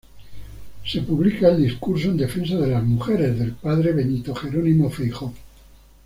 Se publica "El discurso en defensa de las mujeres", del padre Benito Jerónimo Feijoo.